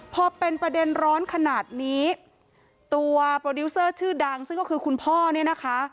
พอเป็นประเด็นร้อนขนาดนี้ตัวโปรดิวเซอร์ชื่อดังซึ่งก็คือคุณพ่อเนี่ยนะคะ